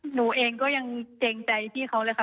หนูเองก็ยังเกรงใจพี่เขาเลยค่ะ